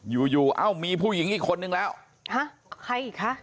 อยู่อยู่เอ้ามีผู้หญิงอีกคนนึงแล้วฮะใครอีกคะ